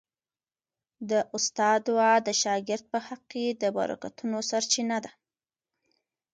د استاد دعا د شاګرد په حق کي د برکتونو سرچینه ده.